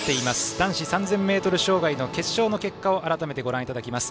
男子３０００ｍ障害決勝の結果を改めてご覧いただきます。